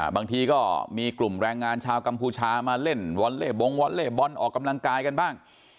บางทีก็มีกลุ่มแรงงานชาวกัมพูชามาเล่นวอลเล่บงวอลเล่บอลออกกำลังกายกันบ้าง